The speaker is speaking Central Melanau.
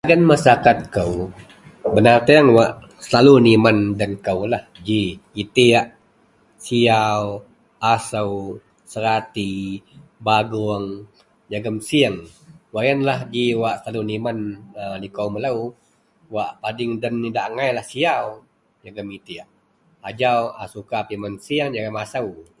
Dagen masyarakat kou binatang wak selalu niman ji itek, siaw, aso, serati, ba goung jegam sieng wak yian ji lah wak selalu niman likou melo. Ajau a suka pimen sieng jegam aso.